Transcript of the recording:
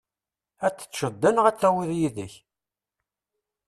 Ad teččeḍ da neɣ ad tawiḍ yid-k?